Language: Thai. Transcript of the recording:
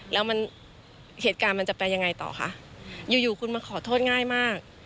แล้วมันเหตุการณ์มันจะแปลยังไงต่อคะอยู่อยู่คุณมาขอโทษง่ายมาก